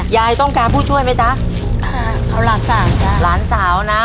ยายต้องการผู้ช่วยไหมจ๊ะเอาหลานสาวจ๊ะหลานสาวนะ